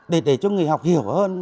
để cho người học hiểu hơn